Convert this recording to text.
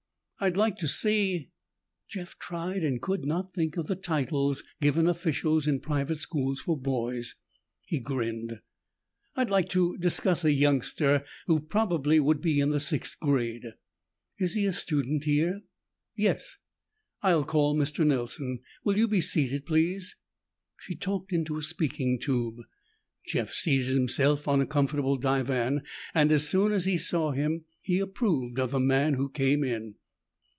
"I'd like to see " Jeff tried and could not think of the titles given officials in private schools for boys. He grinned. "I'd like to discuss a youngster who probably would be in the sixth grade." "Is he a student here?" "Yes." "I'll call Mr. Nelson. Will you be seated, please?" She talked into a speaking tube. Jeff seated himself on a comfortable divan, and as soon as he saw him, he approved of the man who came in.